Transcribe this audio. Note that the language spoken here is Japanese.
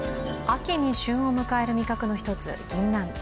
秋に旬を迎える味覚の一つぎんなん。